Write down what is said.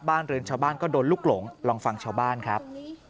เรือนชาวบ้านก็โดนลูกหลงลองฟังชาวบ้านครับ